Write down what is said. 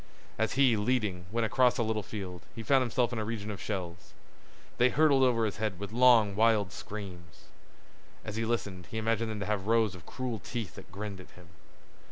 As he, leading, went across a little field, he found himself in a region of shells. They hurtled over his head with long wild screams. As he listened he imagined them to have rows of cruel teeth that grinned at him.